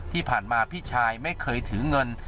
ที่ผ่านมาพี่ชายไม่เคยถือเงิน